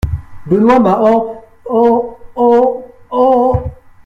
Benoît m'a en … en … en … en …